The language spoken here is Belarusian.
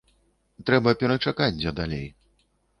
Трэба перачакаць дзе далей.